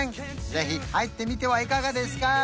ぜひ入ってみてはいかがですか？